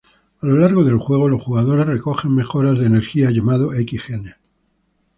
A lo largo del juego, los jugadores recogen mejoras de energía llamados "X-Genes".